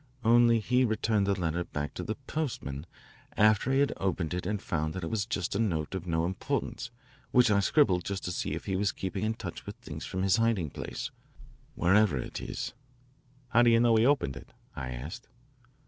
Only he returned the letter back to the postman after he had opened it and found that it was just a note of no importance which I scribbled just to see if he was keeping in touch with things from his hiding place, wherever it is. "How do you know he opened it?" I asked.